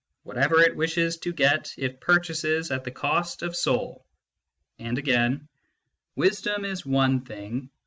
What ever it wishes to get, it purchases at the cost of soul "; and again :" Wisdom is one thing.